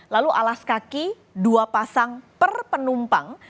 lalu alas kaki dua pasang per penumpang